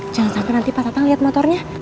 jangan sampai nanti pak tatang lihat motornya